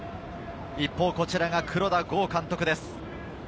一方こちらが黒田剛監督です。